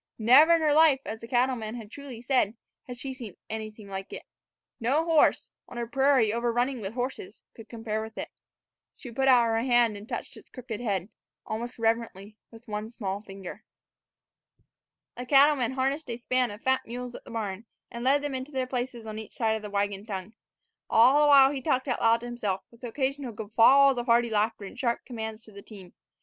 Never in her life, as the cattleman truly said, had she seen anything like it. No horse, on a prairie overrunning with horses, could compare with it. She put out her hand and touched its crooked head, almost reverently, with one small finger. The cattleman harnessed a span of fat mules at the barn, and led them into their places on each side of a wagon tongue. All the while he talked out loud to himself, with occasional guffaws of hearty laughter and sharp commands to the team.